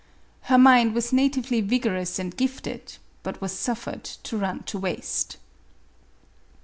Her mind was natively vigorous and gifted, but was suffered to run to waste.